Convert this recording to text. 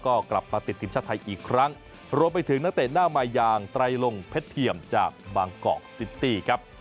ก็กลับมาติดทีมชาติไทยอีกครั้งรวมไปถึงนักเตะหน้าใหม่อย่างไตรลงเพชรเทียมจากบางกอกซิตี้ครับ